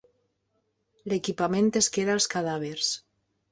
L'equipament es queda als cadàvers.